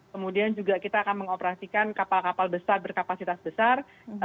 kemudian juga kita akan mengoperasikan kapal kapal besar berkapasitas besar